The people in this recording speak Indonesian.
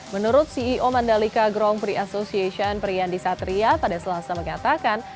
menurut ceo mandalika grand prix association priyandi satria pada selasa mengatakan